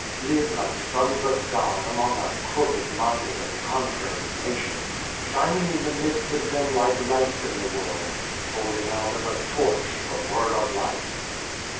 Live like sons of God among a crooked minded and contrary Nation, shining in the midst of them like lights in the world, holding out as a torch the Word of Life."